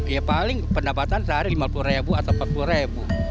ya paling pendapatan sehari lima puluh ribu atau empat puluh ribu